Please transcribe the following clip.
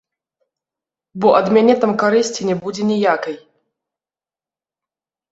Бо ад мяне там карысці не будзе ніякай.